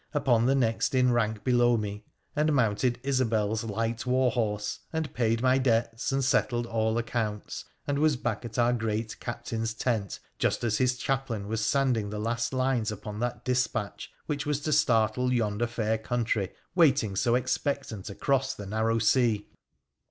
upon the next in rank below me, and mounted Isobel's light war horse, and paid my debts, and settled all accounts, and was back at our great captain's tent just as his chaplain was sanding the last lines upon that dispatch which was to startle yonder fair country waiting so expectant across the narrow sea.